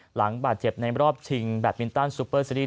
หลังบาดเจ็บในรอบชิงแบตมินตันซูเปอร์ซีรีส